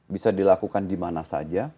bisa dilakukan di mana saja